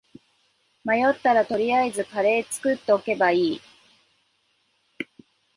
迷ったら取りあえずカレー作っとけばいい